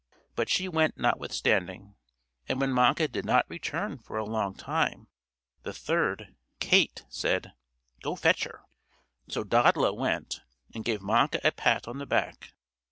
But she went notwithstanding. And when Manka did not return for a long time, the third, Kate, said: "Go, fetch her." So Dodla went, and gave Manka a pat on the back.